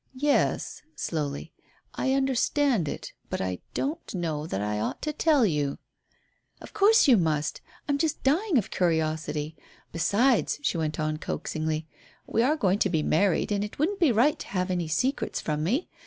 "Yes," slowly, "I understand it, but I don't know that I ought to tell you." "Of course you must. I'm just dying of curiosity. Besides," she went on coaxingly, "we are going to be married, and it wouldn't be right to have any secrets from me.